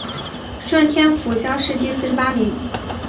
顺天府乡试第四十八名。